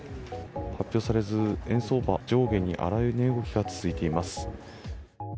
発表されず、円相場、上下に荒い値動きが続いています。